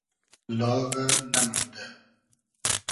لاغۂ نئمئندۂ